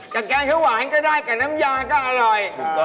แกงเขาหวานก็ได้กับน้ำยาก็อร่อย